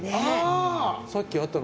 さっき、あったの。